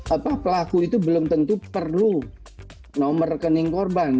apa pelaku itu belum tentu perlu nomor rekening korban